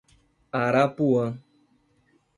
Arapuã